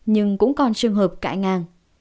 nhưng cũng còn trường hợp cãi ngang